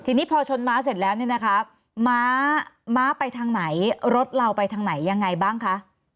ทีนี้พอชนม้าเสร็จแล้วเนี่ยนะคะม้าม้าไปทางไหนรถเราไปทางไหนยังไงบ้างคะ